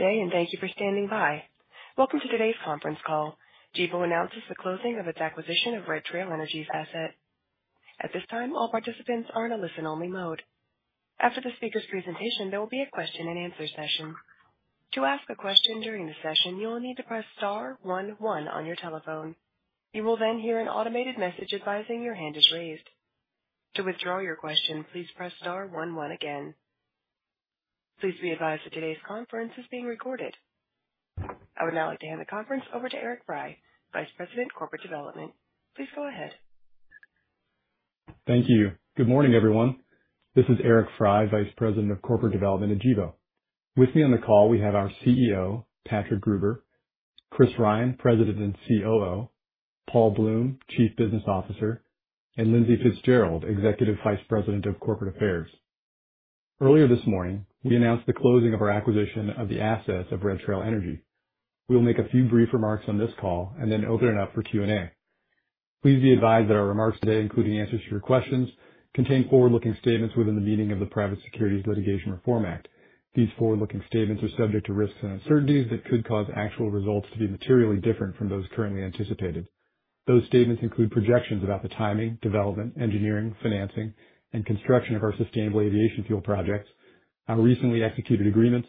Today, and thank you for standing by. Welcome to today's conference call. Gevo announces the closing of its acquisition of Red Trail Energy's asset. At this time, all participants are in a listen-only mode. After the speaker's presentation, there will be a question-and-answer session. To ask a question during the session, you will need to press star 11 on your telephone. You will then hear an automated message advising your hand is raised. To withdraw your question, please press star 11 again. Please be advised that today's conference is being recorded. I would now like to hand the conference over to Eric Fry, Vice President, Corporate Development. Please go ahead. Thank you. Good morning, everyone. This is Eric Fry, Vice President of Corporate Development at Gevo. With me on the call, we have our CEO, Patrick Gruber, Chris Ryan, President and COO, Paul Bloom, Chief Business Officer, and Lindsay Fitzgerald, Executive Vice President of Corporate Affairs. Earlier this morning, we announced the closing of our acquisition of the assets of Red Trail Energy. We will make a few brief remarks on this call and then open it up for Q&A. Please be advised that our remarks today, including answers to your questions, contain forward-looking statements within the meaning of the Private Securities Litigation Reform Act. These forward-looking statements are subject to risks and uncertainties that could cause actual results to be materially different from those currently anticipated. Those statements include projections about the timing, development, engineering, financing, and construction of our sustainable aviation fuel projects, our recently executed agreements,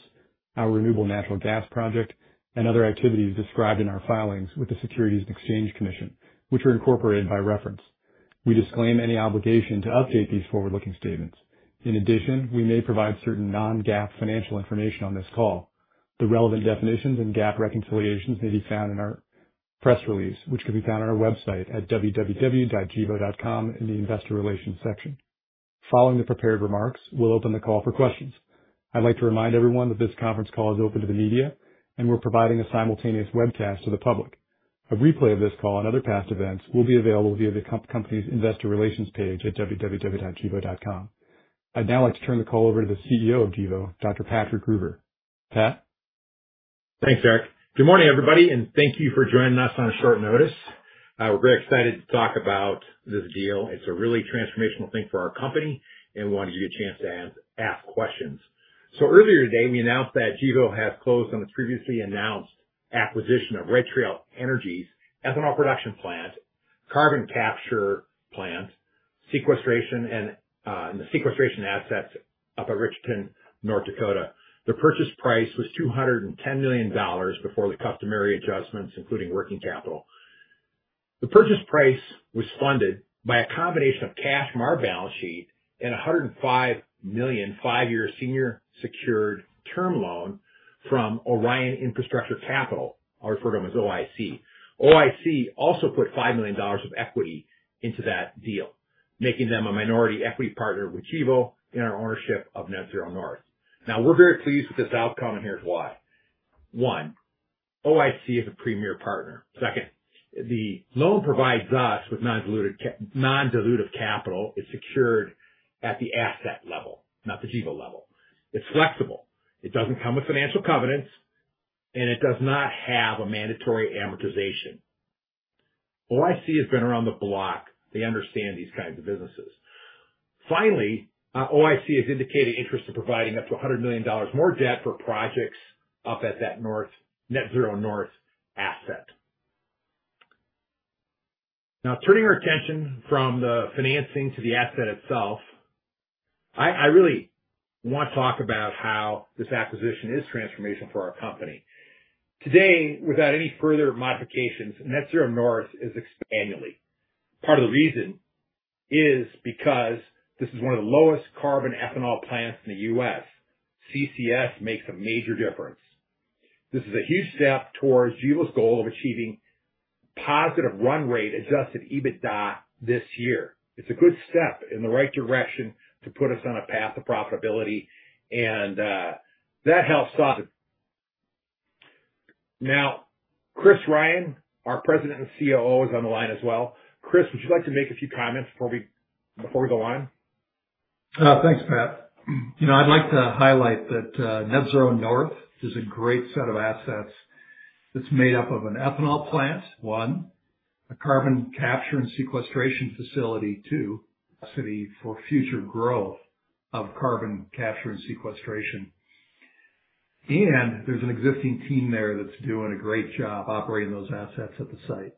our renewable natural gas project, and other activities described in our filings with the Securities and Exchange Commission, which are incorporated by reference. We disclaim any obligation to update these forward-looking statements. In addition, we may provide certain non-GAAP financial information on this call. The relevant definitions and GAAP reconciliations may be found in our press release, which can be found on our website at www.gevo.com in the Investor Relations section. Following the prepared remarks, we'll open the call for questions. I'd like to remind everyone that this conference call is open to the media, and we're providing a simultaneous webcast to the public. A replay of this call and other past events will be available via the company's Investor Relations page at www.gevo.com. I'd now like to turn the call over to the CEO of Gevo, Dr. Patrick Gruber. Pat? Thanks, Eric. Good morning, everybody, and thank you for joining us on short notice. We're very excited to talk about this deal. It's a really transformational thing for our company, and we wanted to give you a chance to ask questions, so earlier today, we announced that Gevo has closed on the previously announced acquisition of Red Trail Energy's ethanol production plant, carbon capture plant, and the sequestration assets up at Richardton, North Dakota. The purchase price was $210 million before the customary adjustments, including working capital. The purchase price was funded by a combination of cash from our balance sheet and $105 million, five-year senior secured term loan from Orion Infrastructure Capital. I'll refer to them as OIC. OIC also put $5 million of equity into that deal, making them a minority equity partner with Gevo in our ownership of Net Zero North. Now, we're very pleased with this outcome, and here's why. One, OIC is a premier partner. Second, the loan provides us with non-dilutive capital. It's secured at the asset level, not the Gevo level. It's flexible. It doesn't come with financial covenants, and it does not have a mandatory amortization. OIC has been around the block. They understand these kinds of businesses. Finally, OIC has indicated interest in providing up to $100 million more debt for projects up at that Net Zero North asset. Now, turning our attention from the financing to the asset itself, I really want to talk about how this acquisition is transformational for our company. Today, without any further modifications, Net Zero North is annually. Part of the reason is because this is one of the lowest carbon ethanol plants in the U.S. CCS makes a major difference. This is a huge step towards Gevo's goal of achieving positive run rate adjusted EBITDA this year. It's a good step in the right direction to put us on a path of profitability, and that helps us. Now, Chris Ryan, our President and COO, is on the line as well. Chris, would you like to make a few comments before we go on? Thanks, Pat. I'd like to highlight that Net Zero North is a great set of assets that's made up of an ethanol plant, one, a carbon capture and sequestration facility, two. Capacity for future growth of carbon capture and sequestration. And there's an existing team there that's doing a great job operating those assets at the site.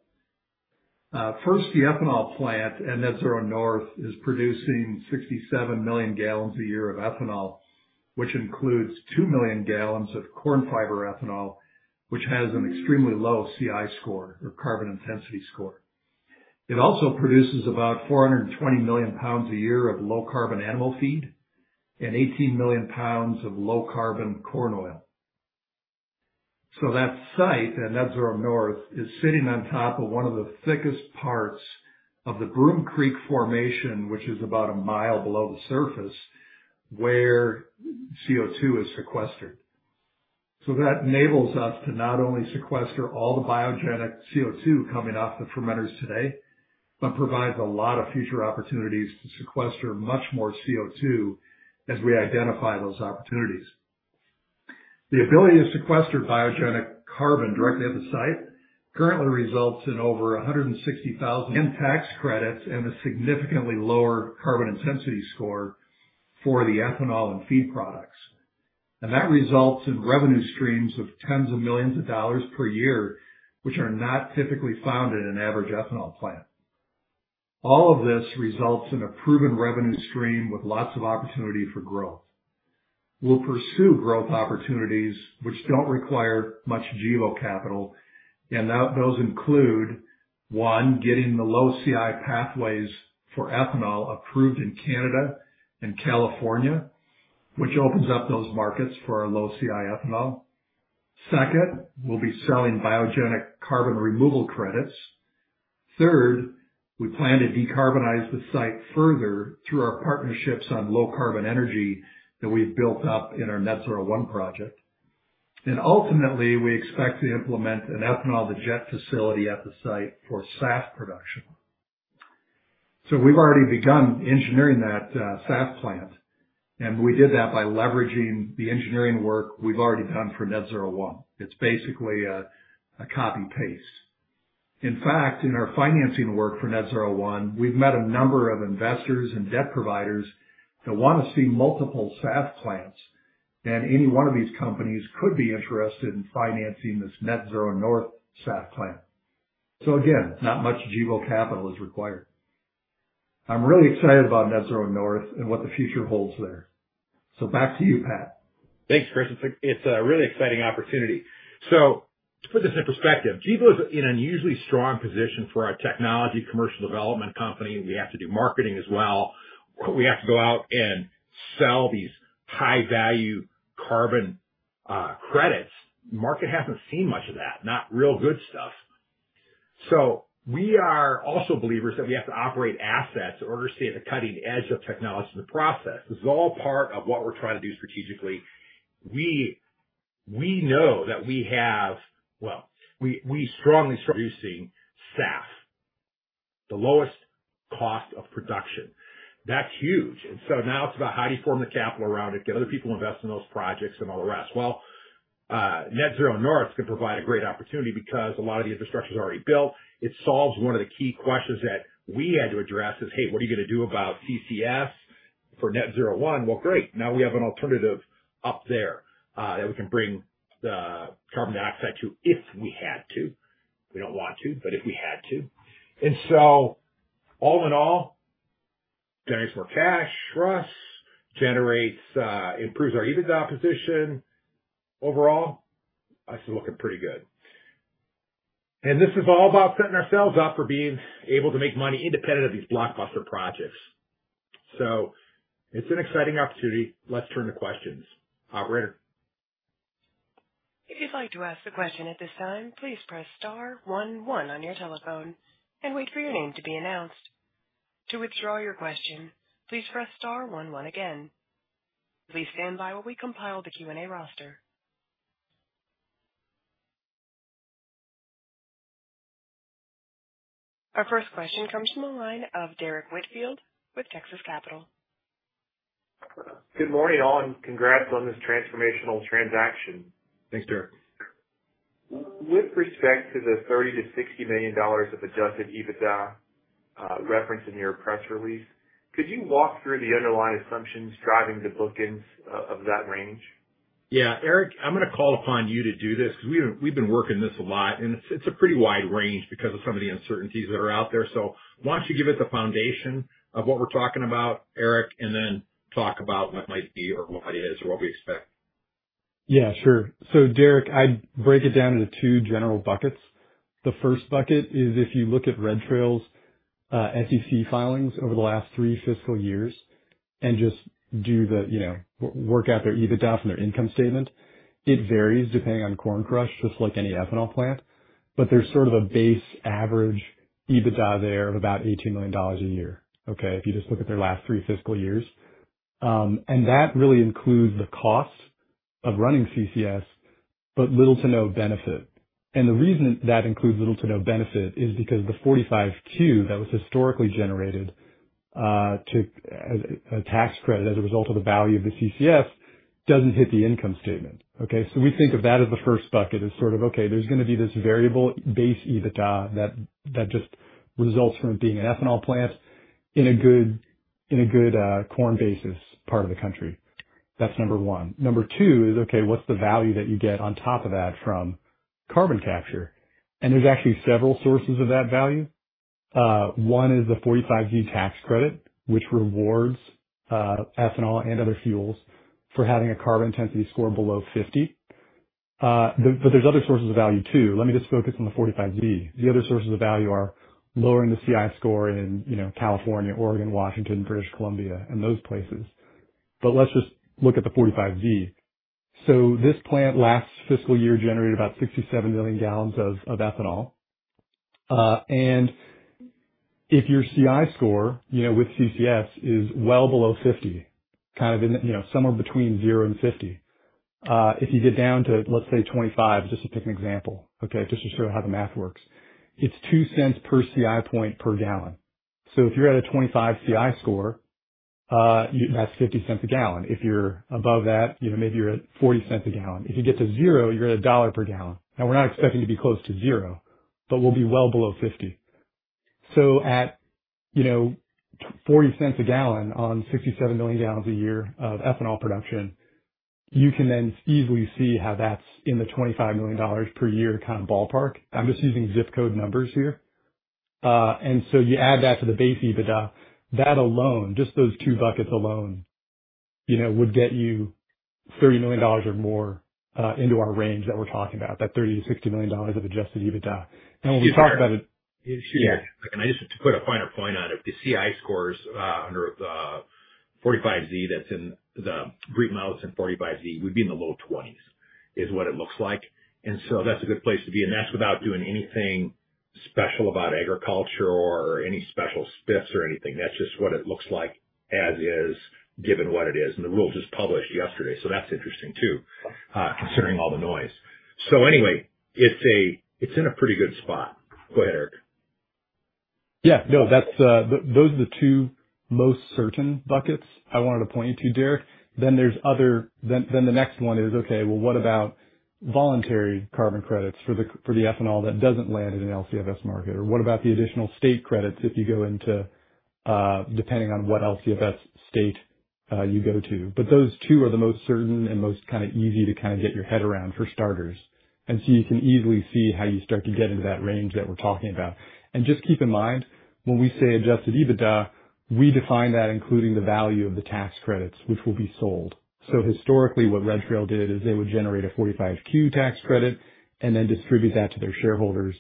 First, the ethanol plant at Net Zero North is producing 67 million gallons a year of ethanol, which includes 2 million gallons of corn fiber ethanol, which has an extremely low CI score or carbon intensity score. It also produces about EUR 420 million a year of low carbon animal feed and EUR 18 million of low carbon corn oil. So that site at Net Zero North is sitting on top of one of the thickest parts of the Broom Creek Formation, which is about a mile below the surface where CO2 is sequestered. So that enables us to not only sequester all the biogenic CO2 coming off the fermenters today, but provides a lot of future opportunities to sequester much more CO2 as we identify those opportunities. The ability to sequester biogenic carbon directly at the site currently results in over 160,000 tax credits and a significantly lower carbon intensity score for the ethanol and feed products. And that results in revenue streams of tens of millions of dollars per year, which are not typically found in an average ethanol plant. All of this results in a proven revenue stream with lots of opportunity for growth. We'll pursue growth opportunities which don't require much Gevo capital, and those include, one, getting the low CI pathways for ethanol approved in Canada and California, which opens up those markets for our low CI ethanol. Second, we'll be selling biogenic carbon removal credits. Third, we plan to decarbonize the site further through our partnerships on low carbon energy that we've built up in our Net Zero One project, and ultimately, we expect to implement an ethanol-to-jet facility at the site for SAF production, so we've already begun engineering that SAF plant, and we did that by leveraging the engineering work we've already done for Net Zero One. It's basically a copy-paste. In fact, in our financing work for Net Zero One, we've met a number of investors and debt providers that want to see multiple SAF plants, and any one of these companies could be interested in financing this Net Zero North SAF plant. So again, not much Gevo capital is required. I'm really excited about Net Zero North and what the future holds there. So back to you, Pat. Thanks, Chris. It's a really exciting opportunity. So to put this in perspective, Gevo is in an unusually strong position for a technology commercial development company. We have to do marketing as well. We have to go out and sell these high-value carbon credits. The market hasn't seen much of that, not real good stuff. So we are also believers that we have to operate assets in order to stay at the cutting edge of technology in the process. This is all part of what we're trying to do strategically. We know that we have, well, we strongly. Producing SAF, the lowest cost of production. That's huge. And so now it's about how do you form the capital around it, get other people to invest in those projects, and all the rest. Well, Net Zero North can provide a great opportunity because a lot of the infrastructure is already built. It solves one of the key questions that we had to address, is, "Hey, what are you going to do about CCS for Net Zero One?" Well, great. Now we have an alternative up there that we can bring the carbon dioxide to if we had to. We don't want to, but if we had to, and so all in all, generates more cash, trust, improves our EBITDA position. Overall, it's looking pretty good, and this is all about setting ourselves up for being able to make money independent of these blockbuster projects, so it's an exciting opportunity. Let's turn to questions. Operator. If you'd like to ask a question at this time, please press star 11 on your telephone and wait for your name to be announced. To withdraw your question, please press star 11 again. Please stand by while we compile the Q&A roster. Our first question comes from the line of Derrick Whitfield with Texas Capital. Good morning, all, and congrats on this transformational transaction. Thanks, Derrick. With respect to the $30-$60 million of Adjusted EBITDA referenced in your press release, could you walk through the underlying assumptions driving the bookends of that range? Yeah. Eric, I'm going to call upon you to do this because we've been working this a lot, and it's a pretty wide range because of some of the uncertainties that are out there. So why don't you give us the foundation of what we're talking about, Eric, and then talk about what might be or what is or what we expect? Yeah, sure. So Derrick, I'd break it down into two general buckets. The first bucket is if you look at Red Trail's SEC filings over the last three fiscal years and just do the work out their EBITDA from their income statement, it varies depending on corn crush, just like any ethanol plant. But there's sort of a base average EBITDA there of about $18 million a year, okay, if you just look at their last three fiscal years. And that really includes the cost of running CCS, but little to no benefit. And the reason that includes little to no benefit is because the 45Q that was historically generated as a tax credit as a result of the value of the CCS doesn't hit the income statement, okay? So we think of that as the first bucket, is sort of, okay, there's going to be this variable base EBITDA that just results from it being an ethanol plant in a good corn basis part of the country. That's number one. Number two is, okay, what's the value that you get on top of that from carbon capture? And there's actually several sources of that value. One is the 45Z tax credit, which rewards ethanol and other fuels for having a carbon intensity score below 50. But there's other sources of value too. Let me just focus on the 45Z. The other sources of value are lowering the CI score in California, Oregon, Washington, British Columbia, and those places. But let's just look at the 45Z. So this plant last fiscal year generated about 67 million gallons of ethanol. If your CI score with CCS is well below 50, kind of somewhere between 0 and 50, if you get down to, let's say, 25, just to pick an example, okay, just to show how the math works, it's $0.02 per CI point per gallon. So if you're at a 25 CI score, that's $0.50 a gallon. If you're above that, maybe you're at $0.40 a gallon. If you get to 0, you're at $1 per gallon. Now, we're not expecting to be close to 0, but we'll be well below 50. So at $0.40 a gallon on 67 million gallons a year of ethanol production, you can then easily see how that's in the $25 million per year kind of ballpark. I'm just using zip code numbers here. And so you add that to the base EBITDA, that alone, just those two buckets alone, would get you $30 million or more into our range that we're talking about, that $30-$60 million of Adjusted EBITDA. And when we talk about it. Yeah. And I just have to put a finer point on it. If the CI scores under 45Z, that's in the green under 45Z, we'd be in the low 20s is what it looks like. And so that's a good place to be. And that's without doing anything special about agriculture or any special spiffs or anything. That's just what it looks like as is, given what it is. And the rule was just published yesterday, so that's interesting too, considering all the noise. So anyway, it's in a pretty good spot. Go ahead, Eric. Yeah. No, those are the two most certain buckets I wanted to point you to, Derrick. Then the next one is, okay, well, what about voluntary carbon credits for the ethanol that doesn't land in an LCFS market? Or what about the additional state credits if you go into depending on what LCFS state you go to? But those two are the most certain and most kind of easy to kind of get your head around for starters. And so you can easily see how you start to get into that range that we're talking about. And just keep in mind, when we say Adjusted EBITDA, we define that including the value of the tax credits which will be sold. So historically, what Red Trail did is they would generate a 45Q tax credit and then distribute that to their shareholders,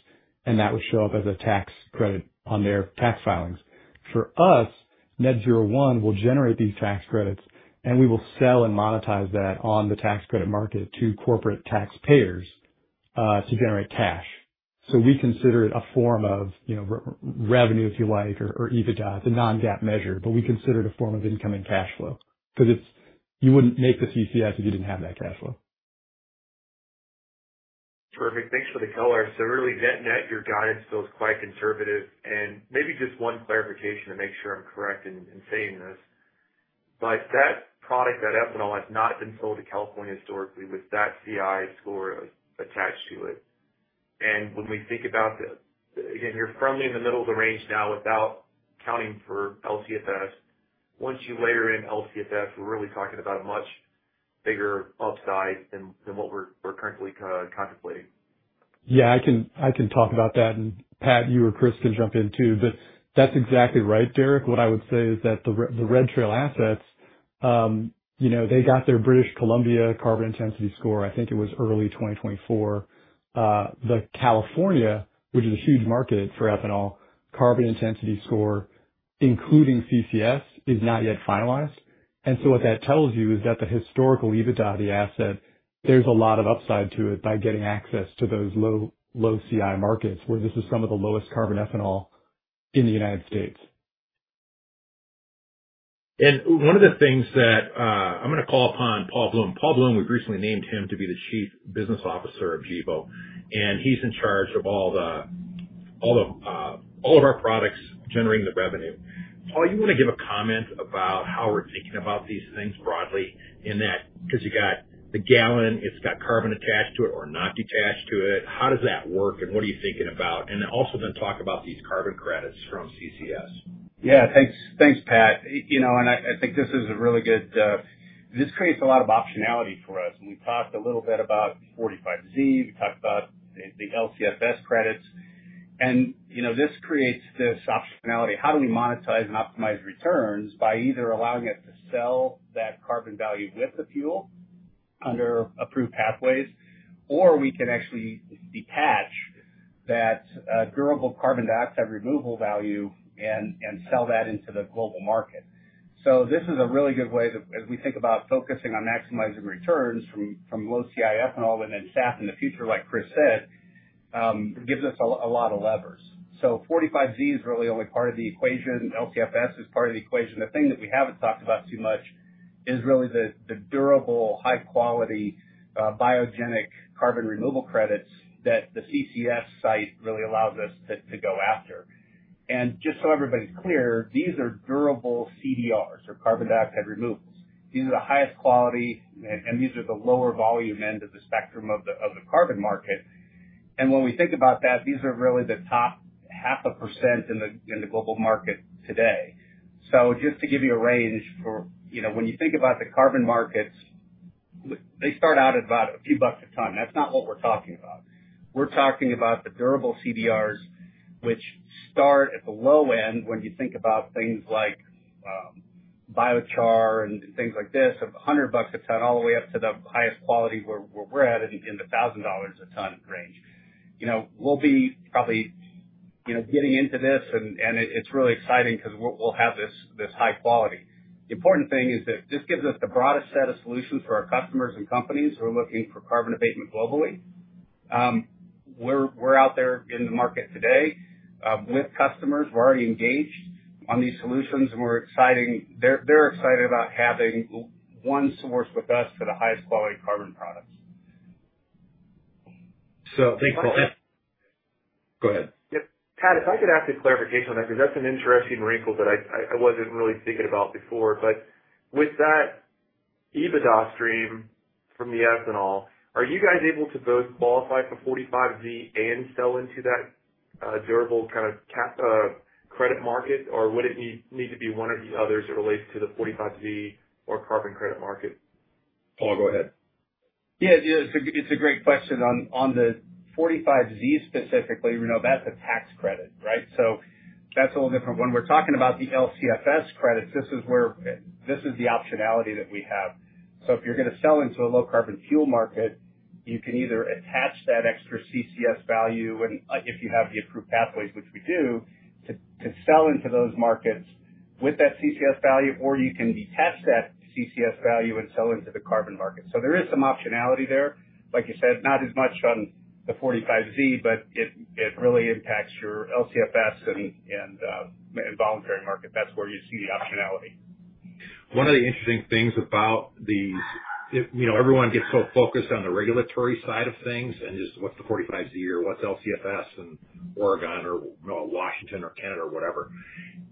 and that would show up as a tax credit on their tax filings. For us, Net Zero One will generate these tax credits, and we will sell and monetize that on the tax credit market to corporate taxpayers to generate cash. So we consider it a form of revenue, if you like, or EBITDA, the non-GAAP measure, but we consider it a form of incoming cash flow because you wouldn't make the CCS if you didn't have that cash flow. Terrific. Thanks for the color. So really, net-net, your guidance feels quite conservative. And maybe just one clarification to make sure I'm correct in saying this. But that product, that ethanol, has not been sold to California historically with that CI score attached to it. And when we think about the, again, you're firmly in the middle of the range now without counting for LCFS. Once you layer in LCFS, we're really talking about a much bigger upside than what we're currently contemplating. Yeah, I can talk about that. And Pat, you or Chris can jump in too. But that's exactly right, Derrick. What I would say is that the Red Trail assets, they got their British Columbia carbon intensity score, I think it was early 2024. The California, which is a huge market for ethanol, carbon intensity score, including CCS, is not yet finalized. And so what that tells you is that the historical EBITDA of the asset, there's a lot of upside to it by getting access to those low CI markets where this is some of the lowest carbon ethanol in the United States. One of the things that I'm going to call upon Paul Bloom. Paul Bloom, we've recently named him to be the Chief Business Officer of Gevo. And he's in charge of all of our products generating the revenue. Paul, you want to give a comment about how we're thinking about these things broadly in that because you got the gallon, it's got carbon attached to it or not detached to it. How does that work, and what are you thinking about? And also then talk about these carbon credits from CCS. Yeah. Thanks, Pat. And I think this is a really good [one that] creates a lot of optionality for us. We talked a little bit about 45Z. We talked about the LCFS credits. And this creates optionality. How do we monetize and optimize returns by either allowing us to sell that carbon value with the fuel under approved pathways, or we can actually detach that durable carbon dioxide removal value and sell that into the global market? This is a really good way that, as we think about focusing on maximizing returns from low CI ethanol and then SAF in the future, like Chris said, gives us a lot of levers. 45Z is really only part of the equation. LCFS is part of the equation. The thing that we haven't talked about too much is really the durable, high-quality biogenic carbon removal credits that the CCS site really allows us to go after. And just so everybody's clear, these are durable CDRs or carbon dioxide removals. These are the highest quality, and these are the lower volume end of the spectrum of the carbon market. And when we think about that, these are really the top 0.5% in the global market today. So just to give you a range for when you think about the carbon markets, they start out at about a few bucks a ton. That's not what we're talking about. We're talking about the durable CDRs, which start at the low end when you think about things like biochar and things like this of $100 a ton all the way up to the highest quality where we're at in the $1,000 a ton range. We'll be probably getting into this, and it's really exciting because we'll have this high quality. The important thing is that this gives us the broadest set of solutions for our customers and companies who are looking for carbon abatement globally. We're out there in the market today with customers. We're already engaged on these solutions, and we're excited. They're excited about having one source with us for the highest quality carbon products. Thank you for that. Paul. Go ahead. Yep. Pat, if I could add some clarification on that because that's an interesting wrinkle that I wasn't really thinking about before. But with that EBITDA stream from the ethanol, are you guys able to both qualify for 45Z and sell into that durable kind of credit market, or would it need to be one of the others that relates to the 45Z or carbon credit market? Paul, go ahead. Yeah. It's a great question. On the 45Z specifically, that's a tax credit, right? So that's a little different. When we're talking about the LCFS credits, this is the optionality that we have. So if you're going to sell into a low-carbon fuel market, you can either attach that extra CCS value, and if you have the approved pathways, which we do, to sell into those markets with that CCS value, or you can detach that CCS value and sell into the carbon market. So there is some optionality there. Like you said, not as much on the 45Z, but it really impacts your LCFS and voluntary market. That's where you see the optionality. One of the interesting things about these. Everyone gets so focused on the regulatory side of things and just what's the 45Z or what's LCFS in Oregon or Washington or Canada or whatever.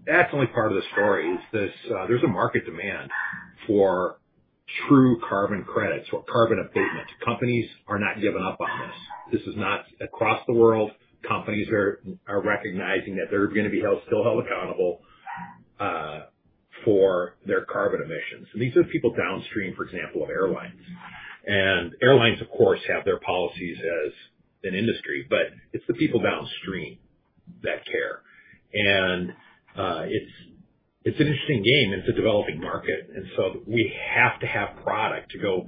That's only part of the story. There's a market demand for true carbon credits or carbon abatement. Companies are not giving up on this. This is not across the world. Companies are recognizing that they're going to be still held accountable for their carbon emissions, and these are people downstream, for example, of airlines. Airlines, of course, have their policies as an industry, but it's the people downstream that care. It's an interesting game, and it's a developing market, so we have to have product to go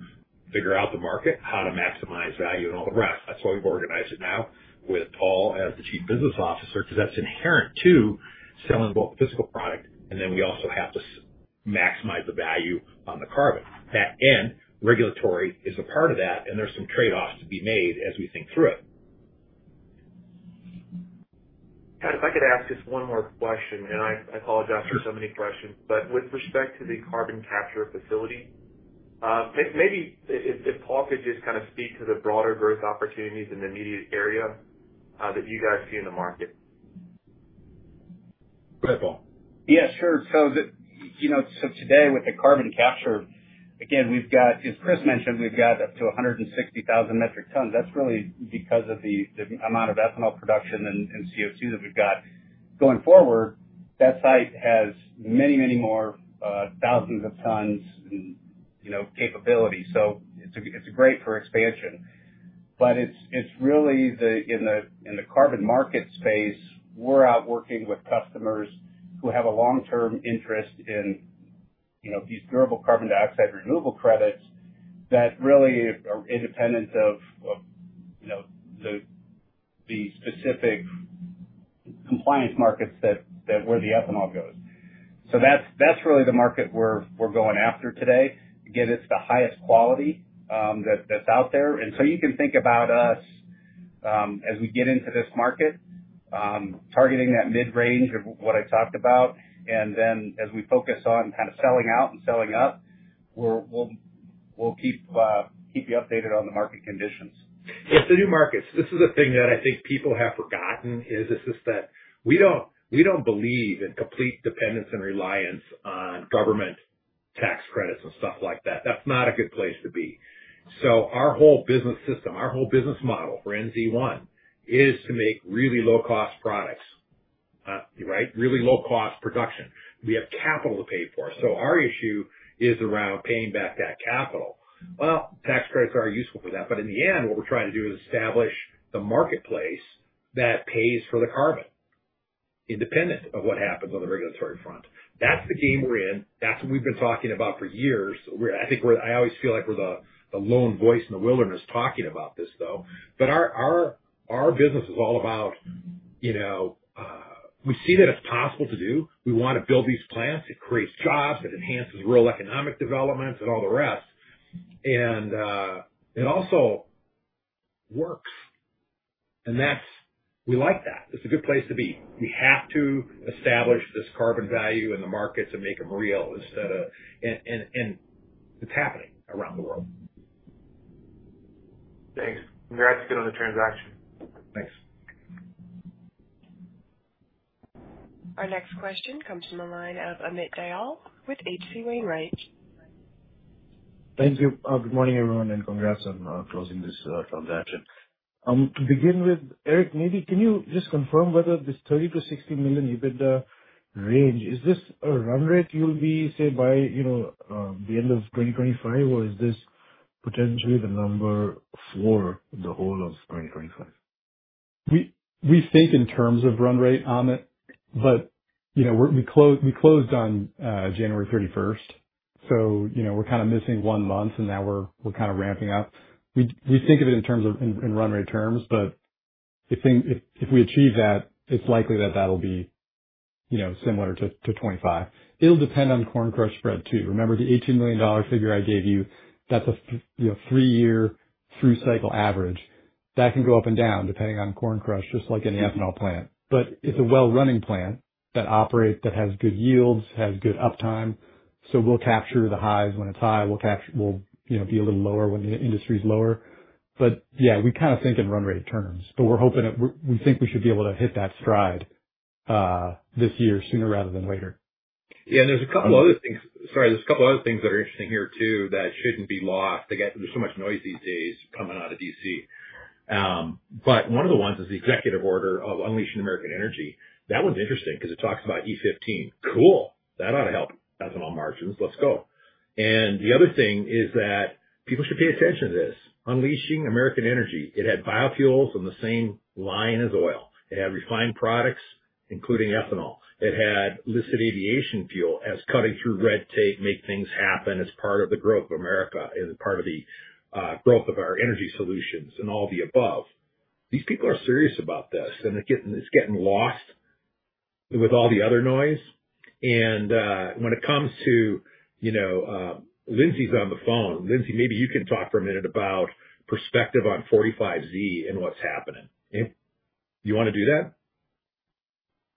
figure out the market, how to maximize value, and all the rest. That's why we've organized it now with Paul as the Chief Business Officer because that's inherent to selling both the physical product, and then we also have to maximize the value on the carbon. And regulatory is a part of that, and there's some trade-offs to be made as we think through it. Pat, if I could ask just one more question, and I apologize for so many questions, but with respect to the carbon capture facility, maybe if Paul could just kind of speak to the broader growth opportunities in the immediate area that you guys see in the market. Go ahead, Paul. Yeah, sure. So today, with the carbon capture, again, as Chris mentioned, we've got up to 160,000 metric tons. That's really because of the amount of ethanol production and CO2 that we've got. Going forward, that site has many, many more thousands of tons in capability. So it's great for expansion. But it's really in the carbon market space, we're out working with customers who have a long-term interest in these durable carbon dioxide removal credits that really are independent of the specific compliance markets that where the ethanol goes. So that's really the market we're going after today. Again, it's the highest quality that's out there. And so you can think about us as we get into this market, targeting that mid-range of what I talked about. And then as we focus on kind of selling out and selling up, we'll keep you updated on the market conditions. Yeah. So new markets. This is a thing that I think people have forgotten is that we don't believe in complete dependence and reliance on government tax credits and stuff like that. That's not a good place to be. So our whole business system, our whole business model for NZ1 is to make really low-cost products, right? Really low-cost production. We have capital to pay for. So our issue is around paying back that capital. Well, tax credits are useful for that. But in the end, what we're trying to do is establish the marketplace that pays for the carbon independent of what happens on the regulatory front. That's the game we're in. That's what we've been talking about for years. I think I always feel like we're the lone voice in the wilderness talking about this, though. But our business is all about we see that it's possible to do. We want to build these plants that create jobs, that enhance the rural economic development, and all the rest. And it also works. And we like that. It's a good place to be. We have to establish this carbon value in the markets and make them real instead of and it's happening around the world. Thanks. Congrats again on the transaction. Thanks. Our next question comes from the line of Amit Dayal with H.C. Wainwright. Thank you. Good morning, everyone, and congrats on closing this transaction. To begin with, Eric, maybe can you just confirm whether this $30-$60 million EBITDA range is a run rate you'll be, say, by the end of 2025, or is this potentially the number for the whole of 2025? We think in terms of run rate, Amit, but we closed on January 31st. So we're kind of missing one month, and now we're kind of ramping up. We think of it in terms of run rate terms, but if we achieve that, it's likely that that'll be similar to 25. It'll depend on corn crush spread too. Remember the $18 million figure I gave you? That's a three-year through cycle average. That can go up and down depending on corn crush, just like any ethanol plant. But it's a well-running plant that operates, that has good yields, has good uptime. So we'll capture the highs when it's high. We'll be a little lower when the industry's lower. But yeah, we kind of think in run rate terms, but we think we should be able to hit that stride this year sooner rather than later. Yeah. And there's a couple of other things. Sorry, there's a couple of other things that are interesting here too that shouldn't be lost. There's so much noise these days coming out of DC. But one of the ones is the executive order of Unleashing American Energy. That one's interesting because it talks about E15. Cool. That ought to help ethanol margins. Let's go. And the other thing is that people should pay attention to this. Unleashing American Energy, it had biofuels on the same line as oil. It had refined products, including ethanol. It had listed aviation fuel as cutting through red tape, make things happen as part of the growth of America and part of the growth of our energy solutions and all the above. These people are serious about this, and it's getting lost with all the other noise. And when it comes to. Lindsay's on the phone. Lindsay, maybe you can talk for a minute about perspective on 45Z and what's happening. You want to do that?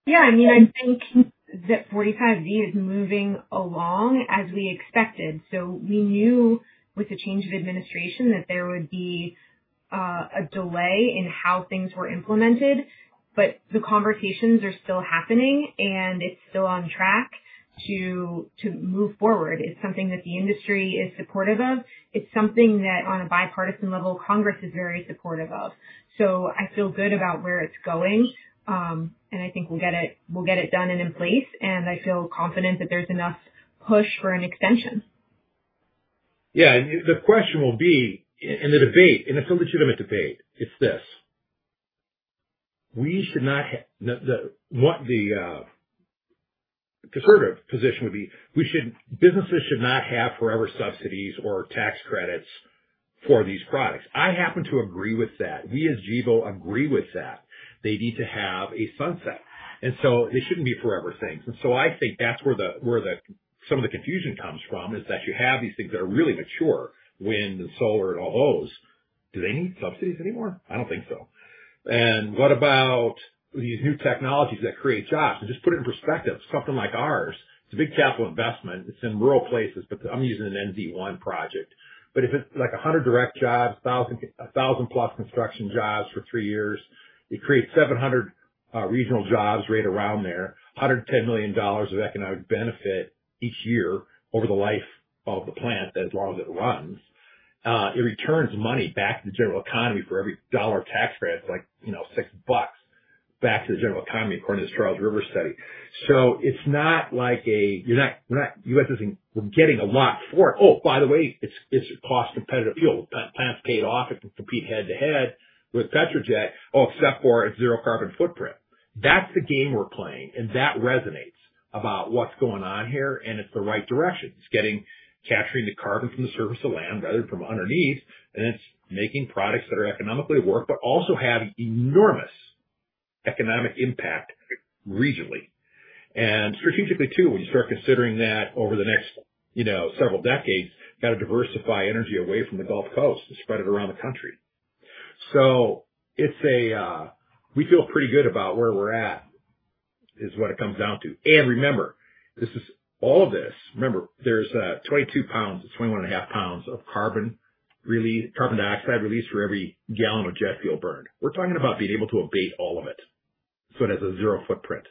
Yeah. I mean, I think that 45Z is moving along as we expected. So we knew with the change of administration that there would be a delay in how things were implemented, but the conversations are still happening, and it's still on track to move forward. It's something that the industry is supportive of. It's something that, on a bipartisan level, Congress is very supportive of. So I feel good about where it's going, and I think we'll get it done and in place. And I feel confident that there's enough push for an extension. Yeah. And the question will be in the debate, and it's a legitimate debate. It's this: we should not. The conservative position would be businesses should not have forever subsidies or tax credits for these products. I happen to agree with that. We as Gevo agree with that. They need to have a sunset. And so they shouldn't be forever things. And so I think that's where some of the confusion comes from, is that you have these things that are really mature wind and solar and all those. Do they need subsidies anymore? I don't think so. And what about these new technologies that create jobs? And just put it in perspective, something like ours. It's a big capital investment. It's in rural places, but I'm using an NZ1 project. But if it's like 100 direct jobs, 1,000-plus construction jobs for three years, it creates 700 regional jobs right around there, $110 million of economic benefit each year over the life of the plant as long as it runs. It returns money back to the general economy for every dollar tax credit, it's like six bucks back to the general economy according to this Charles River study. So it's not like a—U.S. isn't getting a lot for it. Oh, by the way, it's cost-competitive fuel. Plants paid off. It can compete head-to-head with petro-jet, oh, except for its zero carbon footprint. That's the game we're playing. And that resonates about what's going on here, and it's the right direction. It's capturing the carbon from the surface of land rather than from underneath, and it's making products that are economically work, but also have enormous economic impact regionally. And strategically too, when you start considering that over the next several decades, got to diversify energy away from the Gulf Coast and spread it around the country. So we feel pretty good about where we're at is what it comes down to. And remember, all of this, remember, there's 22 pounds to 21 and a half pounds of carbon dioxide released for every gallon of jet fuel burned. We're talking about being able to abate all of it so it has a zero footprint.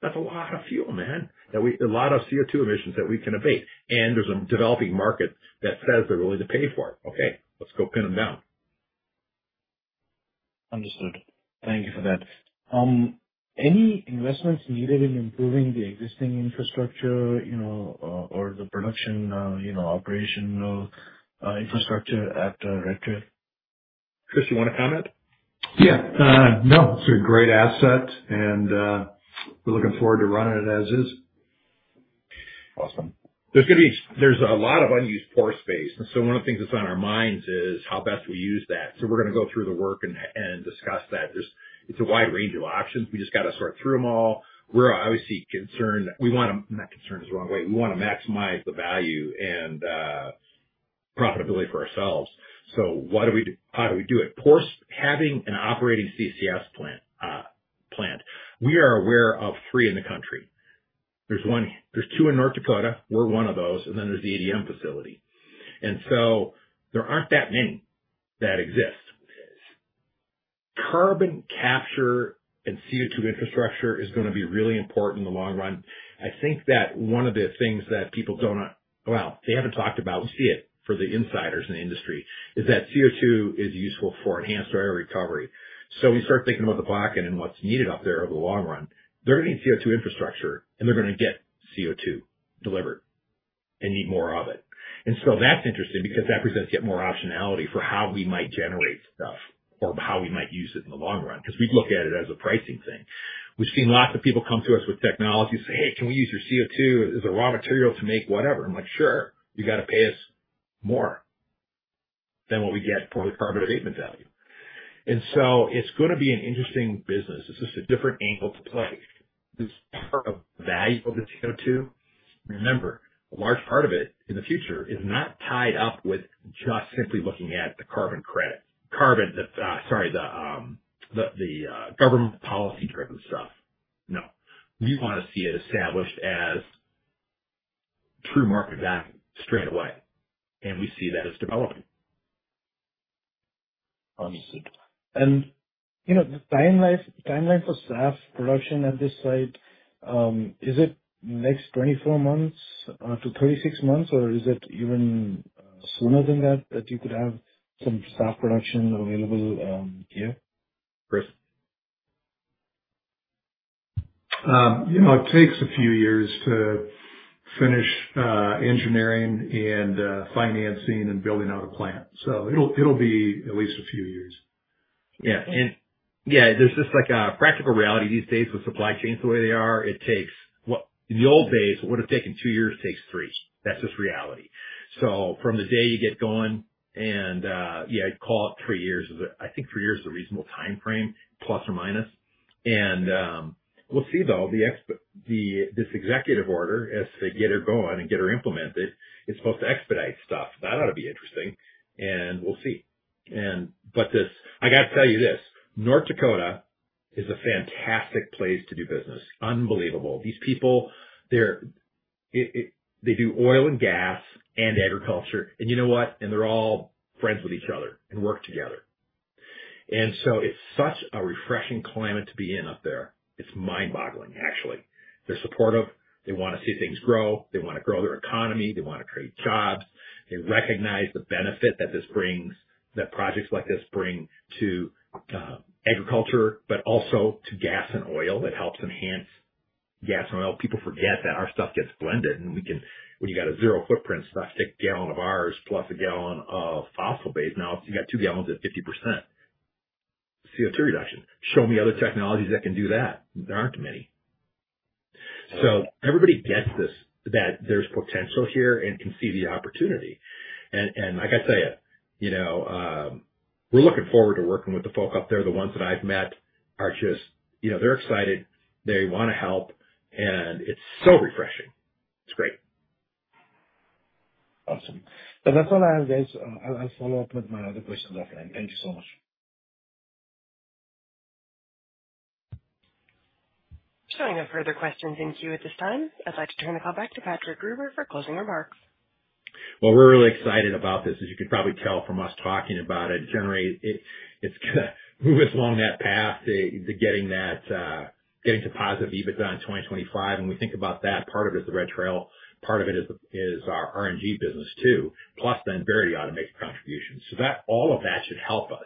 That's a lot of fuel, man, a lot of CO2 emissions that we can abate. And there's a developing market that says they're willing to pay for it. Okay. Let's go pin them down. Understood. Thank you for that. Any investments needed in improving the existing infrastructure or the production operational infrastructure at Red Trail? Chris, you want to comment? Yeah. No, it's a great asset, and we're looking forward to running it as is. Awesome. There's a lot of unused pore space. And so one of the things that's on our minds is how best we use that. So we're going to go through the work and discuss that. It's a wide range of options. We just got to sort through them all. We're obviously concerned - I'm not concerned is the wrong way. We want to maximize the value and profitability for ourselves. So what do we do? How do we do it? Having an operating CCS plant. We are aware of three in the country. There's two in North Dakota. We're one of those. And then there's the ADM facility. And so there aren't that many that exist. Carbon capture and CO2 infrastructure is going to be really important in the long run. I think that one of the things that people don't, well, they haven't talked about, we see it for the insiders in the industry, is that CO2 is useful for enhanced oil recovery. So we start thinking about the back end and what's needed up there over the long run. They're going to need CO2 infrastructure, and they're going to get CO2 delivered and need more of it. And so that's interesting because that presents yet more optionality for how we might generate stuff or how we might use it in the long run because we look at it as a pricing thing. We've seen lots of people come to us with technology and say, "Hey, can we use your CO2 as a raw material to make whatever?" I'm like, "Sure. You got to pay us more than what we get for the carbon abatement value." And so it's going to be an interesting business. It's just a different angle to play. This part of the value of the CO2, remember, a large part of it in the future is not tied up with just simply looking at the carbon credit, sorry, the government policy-driven stuff. No. We want to see it established as true market value straight away. And we see that as developing. Understood. And the timeline for SAF production at this site, is it in the next 24-36 months, or is it even sooner than that you could have some SAF production available here? Chris? It takes a few years to finish engineering and financing and building out a plant, so it'll be at least a few years. Yeah. And yeah, there's just a practical reality these days with supply chains the way they are. In the old days, what would have taken two years takes three. That's just reality. So from the day you get going and yeah, call it three years. I think three years is a reasonable timeframe, plus or minus. And we'll see, though, this executive order, as they get her going and get her implemented. It's supposed to expedite stuff. That ought to be interesting. And we'll see. But I got to tell you this. North Dakota is a fantastic place to do business. Unbelievable. These people, they do oil and gas and agriculture. And you know what? And they're all friends with each other and work together. And so it's such a refreshing climate to be in up there. It's mind-boggling, actually. They're supportive. They want to see things grow. They want to grow their economy. They want to create jobs. They recognize the benefit that this brings, that projects like this bring to agriculture, but also to gas and oil. It helps enhance gas and oil. People forget that our stuff gets blended. And when you got a zero-footprint stuff, take a gallon of ours plus a gallon of fossil-based. Now, you got two gallons at 50% CO2 reduction. Show me other technologies that can do that. There aren't many. So everybody gets this, that there's potential here and can see the opportunity. And like I say, we're looking forward to working with the folk up there. The ones that I've met are just, they're excited. They want to help. And it's so refreshing. It's great. Awesome. That's all I have, guys. I'll follow up with my other questions offline. Thank you so much. Showing no further questions in queue at this time. I'd like to turn the call back to Patrick Gruber for closing remarks. Well, we're really excited about this. As you could probably tell from us talking about it, it's going to move us along that path to getting to positive EBITDA in 2025, and when we think about that, part of it is the Red Trail. Part of it is our RNG business too, plus the integrity automation contribution, so all of that should help us.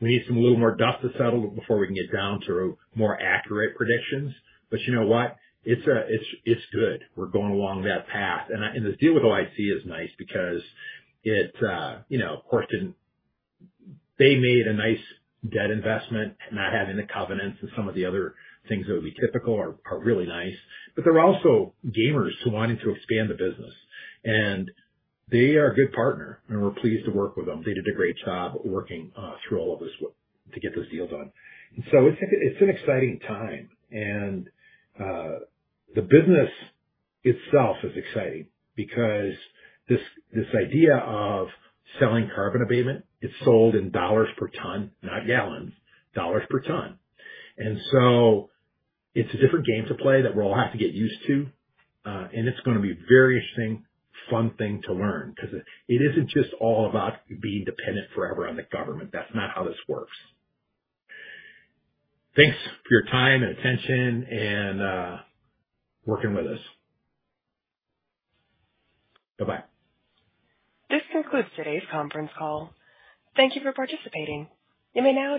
We need some little more dust to settle before we can get down to more accurate predictions, but you know what? It's good. We're going along that path, and the deal with OIC is nice because it, of course, didn't. They made a nice debt investment, not having the covenants and some of the other things that would be typical are really nice, but they're also gamers who wanted to expand the business, and they are a good partner, and we're pleased to work with them. They did a great job working through all of this to get those deals done. And so it's an exciting time. And the business itself is exciting because this idea of selling carbon abatement, it's sold in $ per ton, not gallons, $ per ton. And so it's a different game to play that we'll have to get used to. And it's going to be a very interesting, fun thing to learn because it isn't just all about being dependent forever on the government. That's not how this works. Thanks for your time and attention and working with us. Bye-bye. This concludes today's conference call. Thank you for participating. You may now.